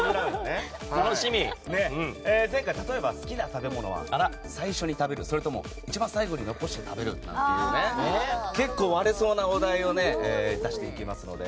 好きな食べ物は最初に食べるそれとも一番最後に残して食べるみたいな結構、割れそうな話題を出していきますので。